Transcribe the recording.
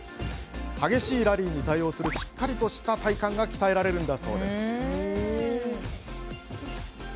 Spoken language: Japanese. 激しいラリーに対応するしっかりとした体幹が鍛えられるんだそうです。